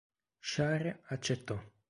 Shar accettò.